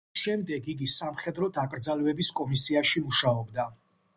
ომის შემდეგ იგი სამხედრო დაკრძალვების კომისიაში მუშაობდა.